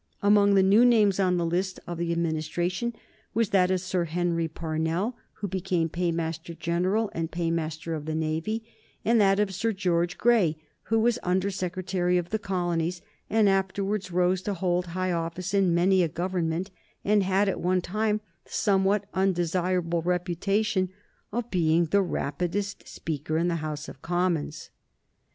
Among the new names on the list of the Administration was that of Sir Henry Parnell, who became Paymaster General and Paymaster of the Navy, and that of Sir George Grey, who was Under Secretary of the Colonies, and afterwards rose to hold high office in many a Government, and had at one time the somewhat undesirable reputation of being the rapidest speaker in the House of Commons.